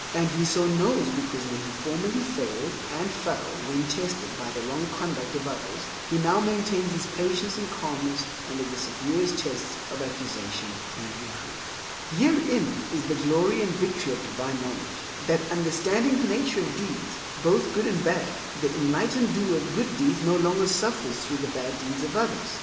And he so knows because where he formerly failed and fell when tested by the wrong conduct of others, he now maintains his patience and calmness under the severest tests of accusation and reproof. Herein is the glory and victory of divine knowledge, that understanding the nature of deeds, both good and bad, the enlightened doer of good deeds no longer suffers through the bad deeds of others.